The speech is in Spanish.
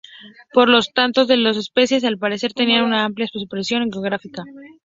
Por lo tanto las dos especies, al parecer, tenían una amplia superposición geográfica.